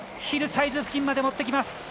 ヒルサイズ付近まで持ってきます。